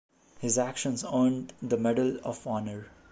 His actions earned the Medal of Honor.